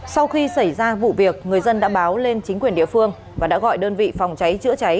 sau khi xảy ra vụ việc người dân đã báo lên chính quyền địa phương và đã gọi đơn vị phòng cháy chữa cháy